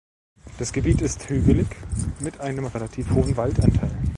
Das Gebiet ist hügelig mit einem relativ hohen Waldanteil.